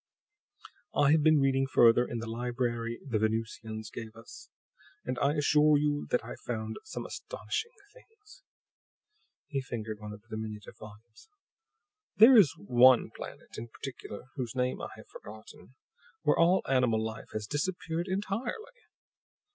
I have been reading further in the library the Venusians gave us, and I assure you that I've found some astonishing things." He fingered one of the diminutive volumes. "There is one planet in particular, whose name I have forgotten, where all animal life has disappeared entirely.